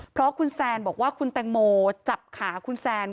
เพราะคุณแซนบอกว่าคุณแตงโมจับขาคุณแซน